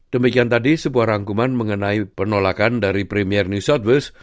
demikian tadi sebuah rangkuman mengenai penolakan dari premier nisotwils